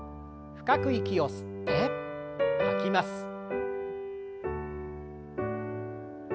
深く息を吸って吐きます。